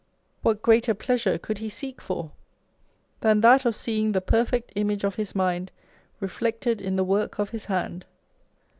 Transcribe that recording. What greater pleasure could he seek for, than that of seeing the perfect image of his mind reflected in the work of his hand